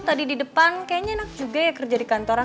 tadi di depan kayaknya enak juga ya kerja di kantoran